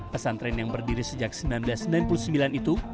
pesantren yang berdiri sejak seribu sembilan ratus sembilan puluh sembilan itu